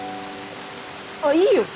あっいいよ。